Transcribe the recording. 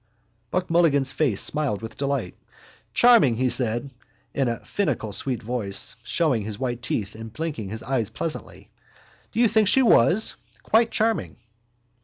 Buck Mulligan's face smiled with delight. —Charming! he said in a finical sweet voice, showing his white teeth and blinking his eyes pleasantly. Do you think she was? Quite charming!